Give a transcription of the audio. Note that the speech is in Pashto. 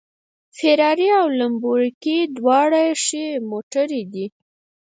فېراري او لمبورګیني دواړه ښې موټرې دي